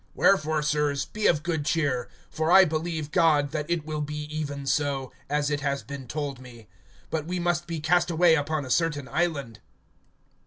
(25)Wherefore, sirs, be of good cheer; for I believe God, that it will be even so, as it has been told me. (26)But we must be cast away upon a certain island.